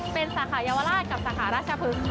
เป็นสาขายาวราชกับสาขาราชพฤกษ์ค่ะ